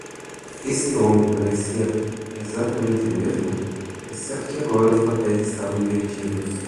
Este homem parecia exatamente o mesmo?, exceto que agora os papéis estavam invertidos.